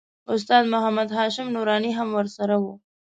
استاد محمد هاشم نوراني هم ورسره و.